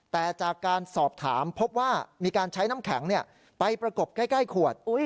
แต่จากการสอบถามพบว่ามีการใช้น้ำแข็งไปประกบใกล้ขวด